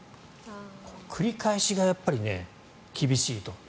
繰り返しがやっぱり厳しいと。